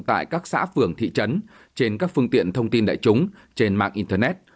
tại các xã phường thị trấn trên các phương tiện thông tin đại chúng trên mạng internet